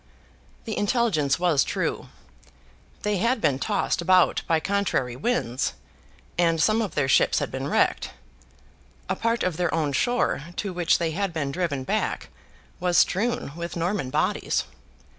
The intelligence was true. They had been tossed about by contrary winds, and some of their ships had been wrecked. A part of their own shore, to which they had been driven back, was strewn with Norman bodies.